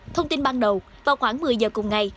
thông tin ban đầu vào khoảng một mươi giờ cùng ngày